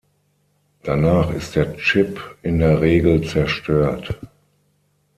Danach ist der Chip in der Regel zerstört.